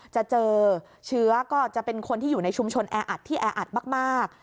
จะเจอเชื้อก็จะเป็นคนที่อยู่ในชุมชนแออัดที่แออัดมาก